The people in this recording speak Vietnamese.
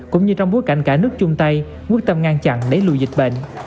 cũng như trong bối cảnh cả nước chung tay quyết tâm ngăn chặn đẩy lùi dịch bệnh